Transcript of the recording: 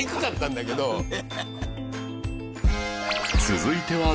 続いては